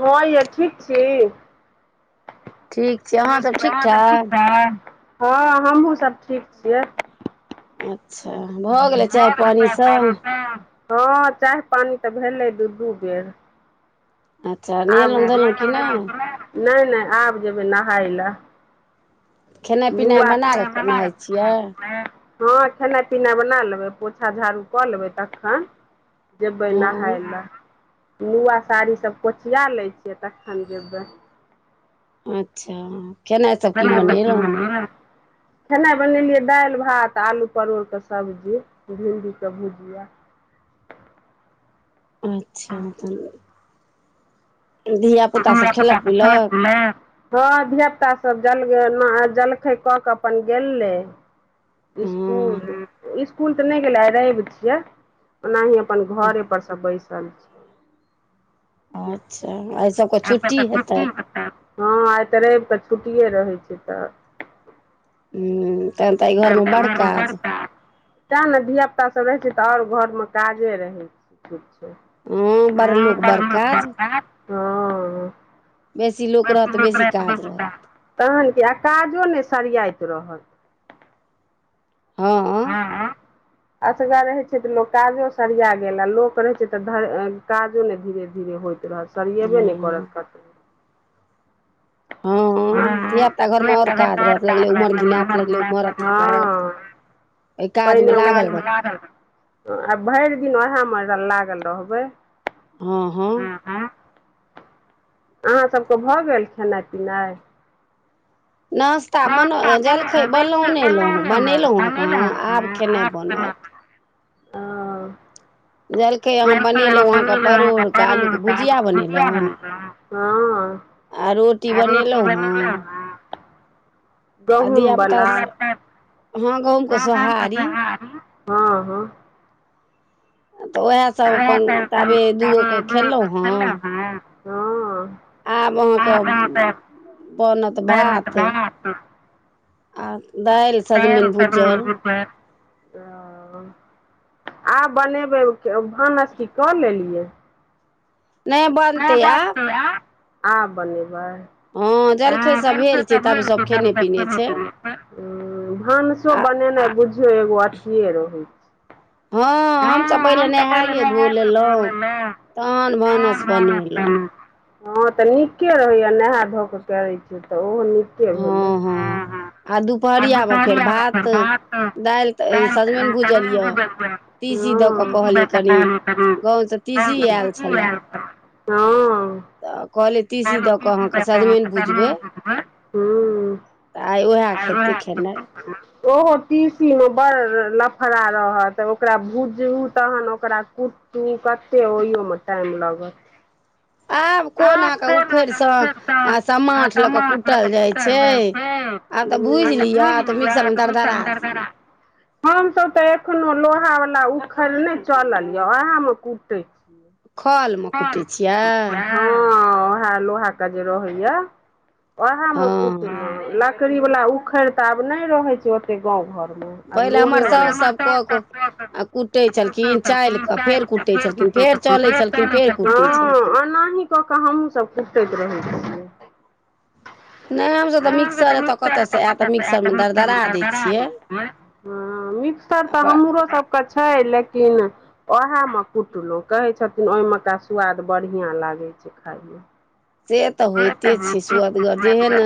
हँ यै ठीक छी ठीक कह त ठीक छै हँ हमहुँ सब ठीक छियै अच्छा भ हँ [unintelligible] चैह पानि तऽ भेलै दू दू बेर [unintelligible] नहि नहि आब जेयबै नहाय लए उ आ किना मना [unintelligible] हँ खेनाइ पीनाइ बना लेबै पोछा झाड़ू कऽ लेबै तखन जेबै नहाय लए नुआ साड़ी सभ कोचिया लै छियै तखन जेबै अच्छा खेनाइ सब की बनेलहुँ खेनाइ बनेलियै दालि भात आलू परोड़के सब्जी भिण्डीके भुजिआ अच्छा त धिया पुता सब खेलत पिलेत हँ धिय पुता सब जल जलखै कऽ केऽ अपन गेलय स्कूल स्कूल तऽ नहि गेलै रवि छियै ओनाहि अपन घरे पर सब बैसल छी अच्छा आए सभके छुट्टी हेतैन हँ आइ तऽ रविके छुट्टि ए रहै छै तऽ तहन तऽ आए घर मे बड़ काज ते न धिया पुता सब रहै छै तऽ और घर मे काजे रहै छै [unintelligible] [unintelligible] तहन कि आ काजो नहि सरियाइत रहत हँ [inaudible] असगर रहै छै तऽ लोक काजो सरिया गेल आ लोक रहै छै तऽ ध काजो नहि धीरे धीरे होइत रहत सरिऐब नहि करत कतों [inaudible] [unintelligible] पहिले [unintelligible] आ भरि दिन उएहमे लागल रहबै [inaudible] ह ह अहाँ सबके भऽ गेल खेनाइ पिनाइ नास्ता बन जलखै बनहुँनलहुँ बनेलहुँ हँ आब खेनाइ बनत जलखै अहाँ बनेलहुँ अहाँके परोड़के आलूके भुजिया बनेलहुँ हँ [inaudible] आ रोटी की बनैलो ह गहुम बला [unintelligible] हँ हँ [unintelligible] आब अहाँके बनत भात आ दाइल [unintelligible] [inaudible] आ बनेबै भानस की कऽ लेलियै [unintelligible] [unintelligible] आ बनेबै [unintelligible] भानसो बनेनाइ बुझियौ एगो अथीए रहैत छै हँ हमसभ पहिले नहाइए धो लेलहुँ तहन भानस बनेलो हँ त नीके होए नहा धो क करैत छी त ओहो नीके भेलै [unintelligible] [unintelligible] [unintelligible] [unintelligible] [unintelligible] ओहो तीसी मे बड़ लफड़ा रहत ओकरा भुजू तहन ओकरा कूट तू कते ओहिमे टाइम लागत आब कोन अहके उखड़ समाट लऽ क कूटल जाइ छै [unintelligible] हमसभ तऽ एखनो लोहा वाला उखड़ि नहि चलल यऽ अहा मे कुटे छी खल म कुटै छियै हँ वएह लोहा के जे रहै य ओएह मे कुटे लकड़ीवला उखड़ त आब नहि रहै छै ओतेक गाँव घरमे आब लोहेवला [unintelligible] [unintelligible] फेर चालै छलखिन ओनाही कऽ कऽ हमहूँ सब कुटैत रहै छियै। अहाँ आर के तऽ मिक्रचर ऐ तऽ कतऽ से एत मिक्सरमे गरगड़ा दै छियै हँ मिक्सर तऽ हमरो सबके छै लेकिन ओएहे मे कुटलौं कहै छथि छथिन ओहि मेका स्वाद बढ़ियाँ लागै छै खाइमे से तऽ होइते छै सुअदगर जेहेन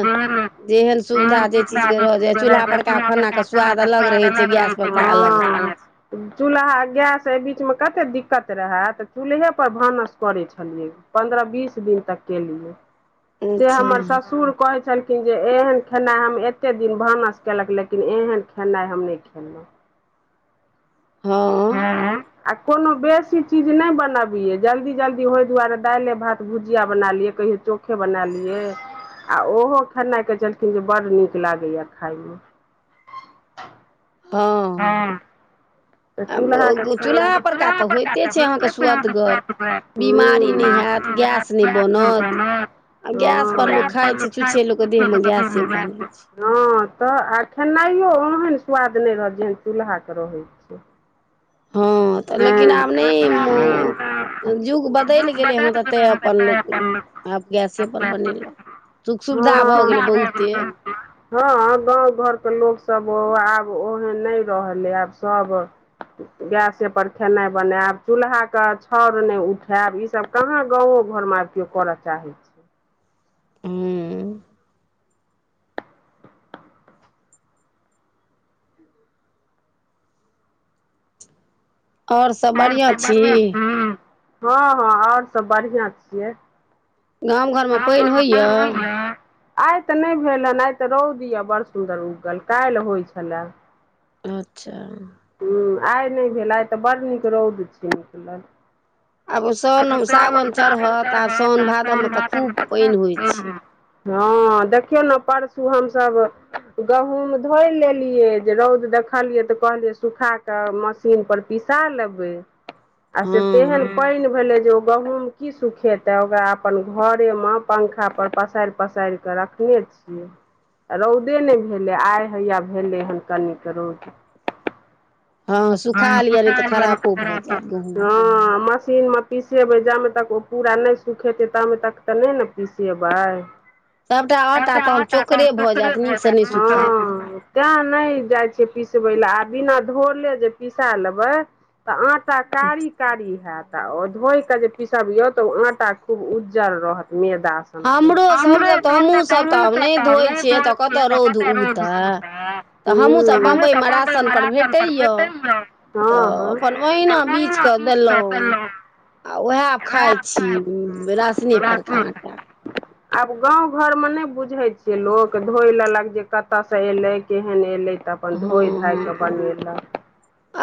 जेहेन सुविधा जे चीज के रह जाय चूल्हा परका खाना के स्वाद अलग रहै छै गैस परका अलग रहै चूल्हा गैस एहि बीच मे कते दिक्कत रहए तऽ चूल्हे पर भानस करै छलियै पन्द्रह बीस दिन तक केलियै से हमर ससुर कहै छलखिन जे एहन खेनाइ हम एतेक दिन भानस केलक लेकिन एहन खेनाइ हम नहि खेलौं हँ हूंम्म आ कोनो बेसी चीज नहि बनबियै जल्दी जल्दी होहि दुआरे दालिए भात भुजिया बना लियै कहियो चो चोखे बना लियै आ ओहो खेनाइ कहै छेलखिन जे बड़ नीक लागैए खाइमे हँ [inaudible] तऽ चूल्हा पर के तऽ होइते छै अहाँके स्वदगर [unintelligible] गैस नहि बनत [unintelligible] हँ हँ तऽ आ खेनाइयो ओहन स्वाद नहि रहत जेहन चूल्हा के रहैत छै छै [inaudible] हूंम्म [unintelligible] आब जुग बदलि गेलै हन तप अपन [unintelligible] आब गैसे पर बनेलक सुख सुविधा भऽ गेलै बहुते हँ गाँंव घर के लोक सब बौआ आब ओहन नहि रहलै आब सब गैसे पर खेनाइ बनेब चूल्हाके छाउर नहि उठायब ईसभ कहाँ गाँवो घरमे आबि केयो कर चाहे और सभ बढ़ियाँ छी हँ हँ और सभ बढ़ियाँ छियै अहाँ और गाम मे पइन होइये आइ तऽ नहि भेलहन आइ तऽ रौद य बड़ सुंन्दर उगल काल्हि होइ छले अच्छा हूंम्म आइ नहि भेल आइ तऽ बड्ड नीक रौद छै अ ताब करब त [unintelligible] साउन भादब मे तऽ हँ देखियौ ने परसू हमसभ गहूँम धोइ लेलियै जे रौद देखलियै तऽ कहलियै सुखा मशीन पर पीसा लेबै आ से तेहन पइन भेलै जे ओ गहुँम की सुखेतै ओकरा अपन घरेमे पंखा पर पसारि पसारि कऽ रखने छियै रौदे नहि भेलै आइ हैये भेलै हन कनिक रौद हँ आ मशीन मे पिसेबै जामे तक ओ पूरा नहि सुखेतै तामे तक तऽ नहि ने पिसेबै सभटा आटा तहन चोकरे भऽ जायत नीकसँ नहि सुखायत तऽ तैँ नहि जाइ छीयै पिसबै लए आ बिना धोले जे पिसा लेबै तऽ आँटा कारी कारी हैत आ ओ धोइक जे पिसबियौ तऽ ओ आँटा खूब उज्जर रहत मैदासँ हमरो त [unintelligible] हू हमरो त पबैमे राशन पर भेटैय हँ हँ ओहिना बीझ क देलो आ उएह खाय छी राशने परका आटा आब गाँव घरमे नहि बुझैत छियै लोक धोइ लेलक जे कतयसँ एलै केहन एलै तऽ अपन धोइ धइकेऽ बनेलक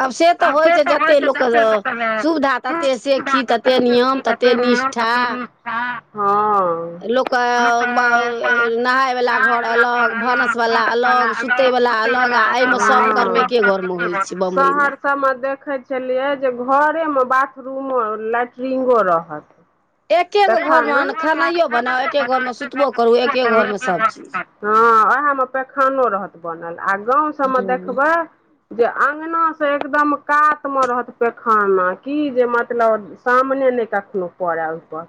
आब से तऽ होइ छै जते लोक सुविधा तते तते सेखी तते नियम तते निष्ठा हँ लोक के अ नहाय वाला घर अलग भानस वाला अलग सुतय वला अलग आ एहि मे सब कर्मेके घर मे होइ छै बम्बई मऽ सब मे देखे छलियै जे घरे में बाथरूम लैट्रिंगो रहत पेखाना हँ उएहमे पैखानो रहत बनल आ गाँव सबमे देखबै जे अंगना से एकदम कात मे रहत पैखाना की जे म मतलब सामने नहि करय कखनो ओय पर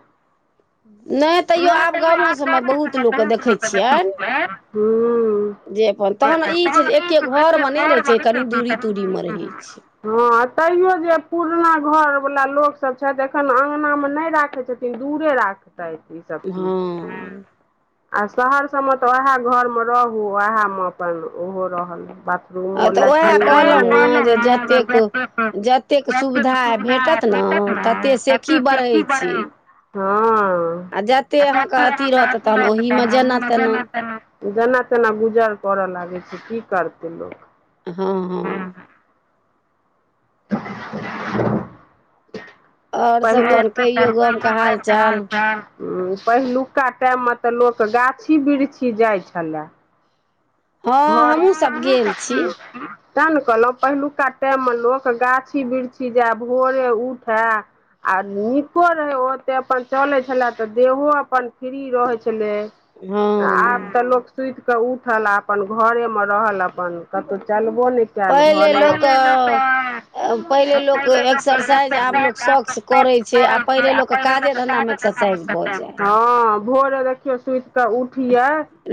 नहि तैयो आब गामो सभमे बहुत लोकके देखैत छियेन हूँ [unintelligible] हँ तैयो जे पुरना घर वाला लोकसभ छथि एखन अंगनामे नहि राखैत छथिन लेकिन दूरे राखतै ईसभ चीज आ शहर सबमे तऽ वएह घर मे रहू ओएह मे अपन ओहो रहल बातरूम लेट्रिंगो [unintelligible] जतेक जतेक सुविधा भेटत नऽ तते सेखी बढ़य छै आ जतेक अहाँके अथी रहत तहन एहिमे देने चलू जेना तेना गुजर करऽ लागै छै की करतै लोक हँ हँ [unintelligible] [unintelligible] पहिलुका टाइममे तऽ लोक गाछी बिरछी जाइत छलए घर हँ हमहू सब गेल छी ते ने कहलहुँ पहिलुका टाइममे लोक गाछी बिृक्षी जाय भोरे उठय आ नीको रहै ओतेक अपन चलैत छलय तऽ देहो अपन फ्री रहैत छलैय आब तऽ लोक सुति कऽ उठल आब अपन घरेमे रहल अपन कतहु चलबो नहि [unintelligible] [unintelligible] भोरे देखियो सुति के उठिये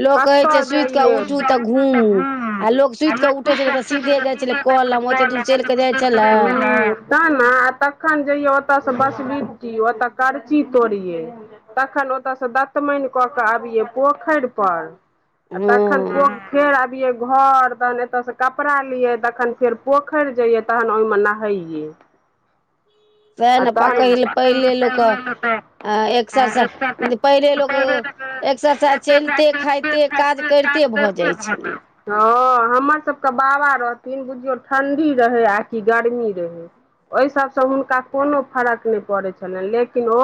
लोक कहै छै सुति कऽ उठू तऽ घूमू आ लोग सुति कऽ उठे छलै तऽ सीधे जाइ छलै कलम ओते दूर चलि केऽ जाइ छलैय ते ने आ तखन जइयै ओतयसँ बसबिटी ओतऽ करची तोड़िये तखन ओतयसँ दतमनि कऽ केऽ अबियै पोखरि पर आ तखन [unintelligible] फेर अबियै घर तहन एतयसँ कपड़ा लियै तखन फेर पोखरि जइयै तहन ओहिमे नहैयै आ तहन [unintelligible] नय लैते आ एक्सरसाज पहिले लोक एक्सरसाइज चलिते खाायते काज करिते भऽ जाइ छलै हँ हमर सबके बाबा रहथिन बुझियौ ठंडी रहै आ कि गर्मी रहै ओहि सभसँ हुनका कोनो फर्क नहि पड़ैत छलनि लेकिन ओ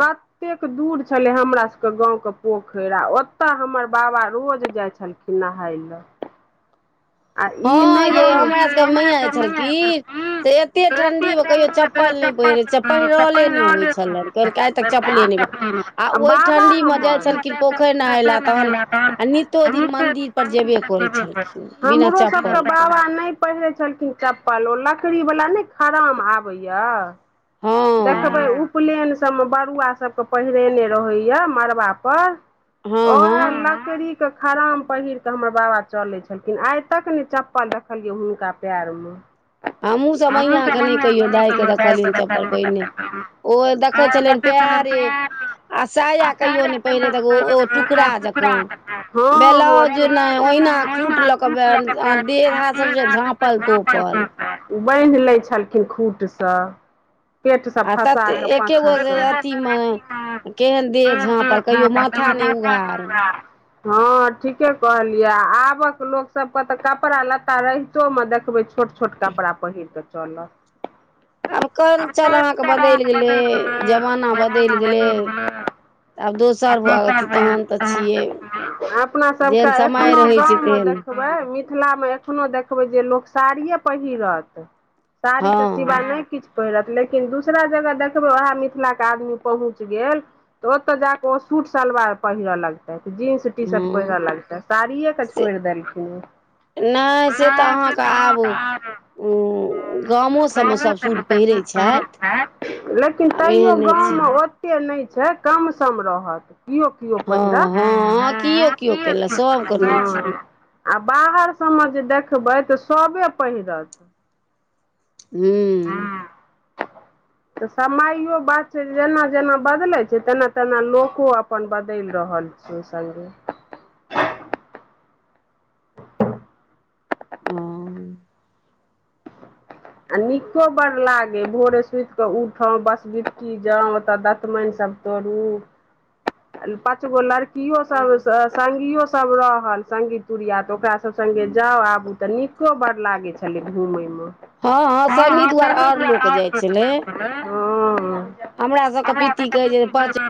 क एतेक दूर छलै हमरा सबके गाँव के पोखर ओतऽ हमर बाबा रोज जाइ छलखिन नहाय लए हँ ये हमरा सबके मैया जे छलखिन से एते ठंडी मे कहियो चप चप्पल नहि पहिरै छै पहिरले नहि होइत छलैनि कहलक आइ तक चपले नहि आ ओहि ठंडी में जाय छलखिन पोखरि नहाय ले तहन आ नीतो फिर मंदिर पर जेबे करै छलखिन बिना चाप बाबा नहि पहिरे छलखिन चप्पल ओ लकड़ी वाला ने खराम आबे या हँ देखबै उपनयन सभ मे बरुआ सभके पहिरेने रहैया मड़बा पर ओहे लकड़ी खराम पहिर के हमर बाबा चले छलखिन आइ तक ने चप्पल देखलियै हुनका पैर मे ह हमहूँसभ मैंआंके नहि कहियो दाय कऽ देखलियै चप्पल पहिने ओ देखै छलनि पैरे आ साया कहियो नहि पहिरे त ओ टुकड़ा जकाँ ब्लाउज जे नहि ओहिना खूट ल के देह हाथ सब से झाँपल तोपल ओ बान्हि लै छलखिन खूटसँ पेट से फसा कऽ पाछाँ हँ त [unintelligible] हँ ठीके कहलियै आबक लोक सबके तऽ कपड़ा लत्ता रहि तो मे देखबै छोट छोट कपड़ा पहिर कऽ चलत आब कल्चर अहाँके बदलि गेले जमाना बदलि गेलै [unintelligible] अपना सबके एखनो गाममे देख मिथिलामे एखनो देखबै जे लोक साड़िये पहिरत साड़ीेके सिवा नहि किछु पहिरत लेकिन दूसरा जगह देखबै उएह मिथिलाके आदमी पहुँच गेल तऽ ओतय जा कऽ ओ सूट सलवार पहिरऽ लगतै जींस टी शर्ट पहिरऽ लगतै साड़िये के छोड़ि देलखिन नहि से तऽ अहाँके आबू उ गामो सब मे सब सूट पहिरे लेकिन तैयो गाँवमे ओतेक नहि छै कम सम रहत कियो किओ पहिरत आ बाहर सभमे जे देखबै तऽ सबे पहिरत हूँ [inaudible] तऽ समइयो बात छै जेना जेना जेना बदलैत छै तेना तेना लोको अपन बदलि रहल छै सुुरसाली ह्म्म आ नीको बडड़ड लागै भोरे सुति कऽ उठौ बस बिट्टी जाउँ ओतय दतमनिसभ करू पाँच गो लड़कियो सभ संगियो सभ रहल संगी तुरिया तऽ ओकरा सब संगे जाउ आबू तऽ नीको बड़ लागे छलै घूमे मे हँ हँ सङ्गी दुआरे आओर लोक जाइ छलै ओ हमरा सबके पित्ति कहे छै पच